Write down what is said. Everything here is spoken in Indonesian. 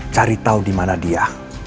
cari tahu di mana dia